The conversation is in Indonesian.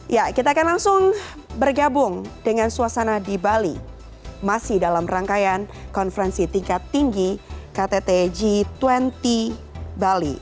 ya kita akan langsung bergabung dengan suasana di bali masih dalam rangkaian konferensi tingkat tinggi ktt g dua puluh bali